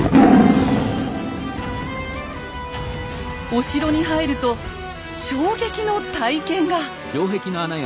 お城に入ると衝撃の体験が。